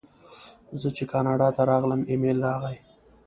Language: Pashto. زه چې کاناډا ته راغلم ایمېل راغی.